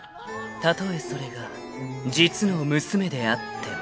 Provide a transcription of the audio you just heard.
［たとえそれが実の娘であっても］